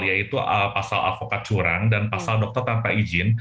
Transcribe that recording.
yaitu pasal avokat curang dan pasal dokter tanpa izin